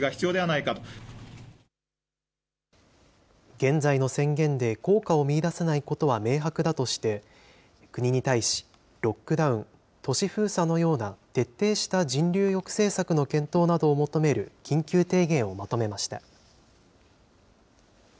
現在の宣言で効果を見いだせないことは明白だとして、国に対し、ロックダウン・都市封鎖のような徹底した人流抑制策の検討などを求める緊急提言をまとめました。